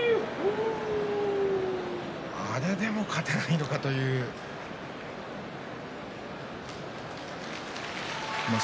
あれでも勝てないのかというね。